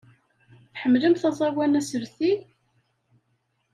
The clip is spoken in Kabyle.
Tḥemmlemt aẓawan aselti?